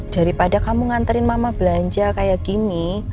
daripada kamu nganterin mama belanja kayak gini